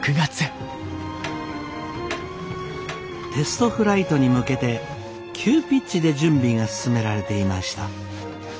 テストフライトに向けて急ピッチで準備が進められていました。